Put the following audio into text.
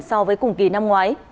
so với cùng kỳ năm ngoái